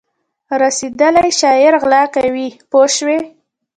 رسېدلی شاعر غلا کوي پوه شوې!.